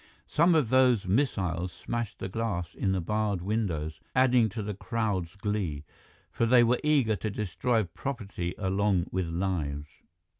Some of those missiles smashed the glass in the barred windows, adding to the crowd's glee, for they were eager to destroy property along with lives.